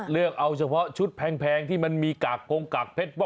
เลือกเอาเฉพาะชุดแพงที่มันมีกากกงกากเพชร